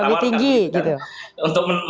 oke lebih tinggi gitu